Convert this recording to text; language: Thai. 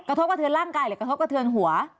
กระทบกระเทือนร่างกายหรือกระทบกระเทือนหัว